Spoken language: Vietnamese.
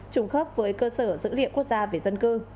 trùng khớp với cơ sở dữ liệu quốc gia về dân cư